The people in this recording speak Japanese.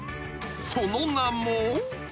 ［その名も］